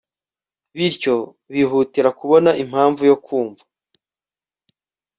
bityo bihutira kubona impamvu yo kumva